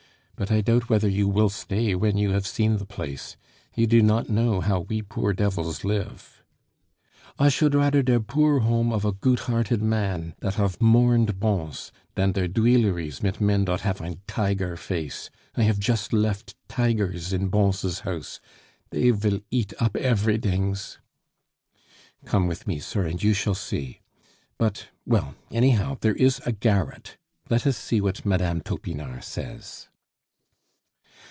But I doubt whether you will stay when you have seen the place; you do not know how we poor devils live." "I should rader der boor home of a goot hearted mann dot haf mourned Bons, dan der Duileries mit men dot haf ein tiger face.... I haf chust left tigers in Bons' house; dey vill eat up everydings " "Come with me, sir, and you shall see. But well, anyhow, there is a garret. Let us see what Mme. Topinard says."